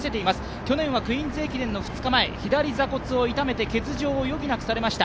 去年は「クイーンズ駅伝」の２日前左座骨をいためて欠場を余儀なくされました。